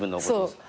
そう。